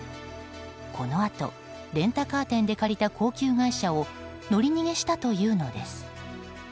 このあとレンタカー店で借りた高級外車を乗り逃げしたというのです。